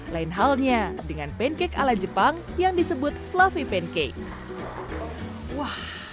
lain halnya dengan pancake ala jepang yang disebut fluffy pancake wah